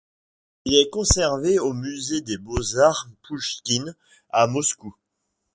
Il est conservé au musée des beaux-arts Pouchkine à Moscou.